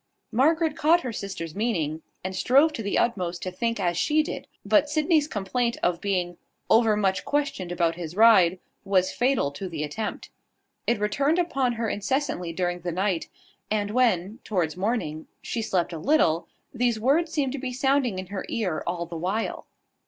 Margaret caught her sister's meaning, and strove to the utmost to think as she did; but Sydney's complaint of being "overmuch questioned about his ride" was fatal to the attempt. It returned upon her incessantly during the night; and when, towards morning, she slept a little, these words seemed to be sounding in her ear all the while.